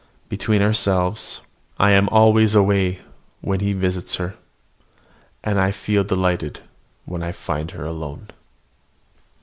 Between ourselves, I am always away now when he visits her: and I feel delighted when I find her alone.